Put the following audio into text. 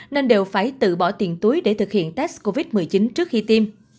nên đều phải tự bỏ tiền túi để thực hiện test covid một mươi chín trước khi tiêm